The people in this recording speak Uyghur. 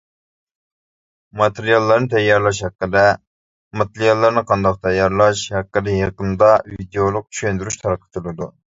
ماتېرىياللارنى تەييارلاش ھەققىدە: ماتېرىياللارنى قانداق تەييارلاش ھەققىدە يېقىندا ۋىدىيولۇق چۈشەندۈرۈش تارقىتىلىدۇ.